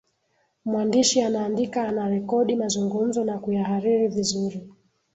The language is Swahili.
mwandishi anaandika anarekodi mazungumzo na kuyahariri vizuri